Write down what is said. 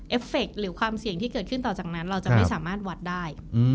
ฟเฟคหรือความเสี่ยงที่เกิดขึ้นต่อจากนั้นเราจะไม่สามารถวัดได้